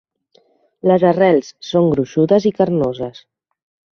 Les arrels són gruixudes i carnoses.